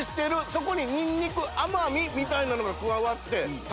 そこにニンニク甘みみたいなのが加わって。